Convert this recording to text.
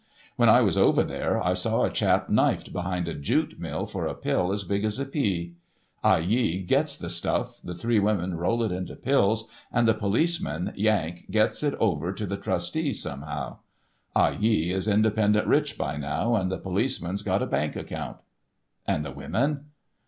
When I was over there, I saw a chap knifed behind a jute mill for a pill as big as a pea. Ah Yee gets the stuff, the three women roll it into pills, and the policeman, Yank, gets it over to the trusties somehow. Ah Yee is independent rich by now, and the policeman's got a bank account." "And the women?